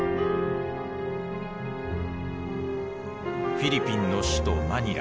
フィリピンの首都マニラ。